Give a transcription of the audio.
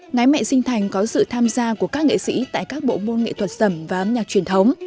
ngái mẹ sinh thành có sự tham gia của các nghệ sĩ tại các bộ môn nghệ thuật sẩm và âm nhạc truyền thống